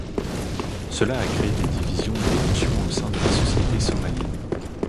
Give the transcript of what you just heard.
Cela a créé des divisions et des tensions au sein de la société somalienne.